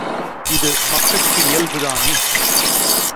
இது மக்கட்கு இயல்புதானே!